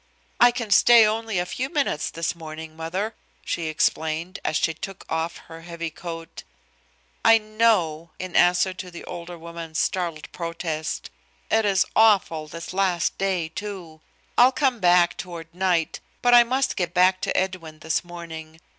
"I can stay only a few minutes this morning, mother," she explained, as she took off her heavy coat. "I know," in answer to the older woman's startled protest. "It is awful this last day, too. I'll come back toward night, but I must get back to Edwin this morning.